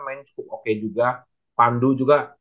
main cukup oke juga pandu juga